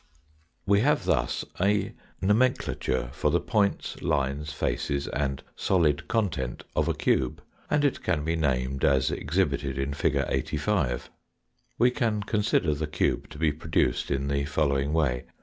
We have thus a nomenclature for the points, lines, faces, and solid content of a cube, and it can be named as exhibited in fig. 85. We can consider the cube to be produced in the following way.